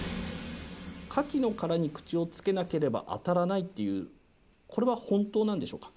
カキの殻に口をつけなければあたらないっていう、これは本当なんでしょうか。